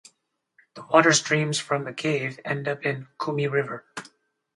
The water streams from the cave end up in Kumi river.